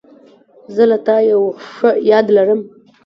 زه له تا یو ښه یاد لرم.